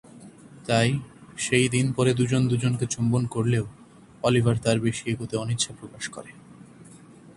তাই সেই দিন পরে দু’জনে দু’জনকে চুম্বন করলেও অলিভার তার বেশি এগোতে অনিচ্ছা প্রকাশ করে।